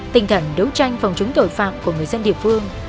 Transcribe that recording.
tinh thần đấu tranh phòng chống tội phạm của người dân địa phương